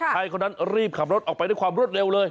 ให้คนนั้นรีบขับรถออกไปด้วยความรวดเร็วเลย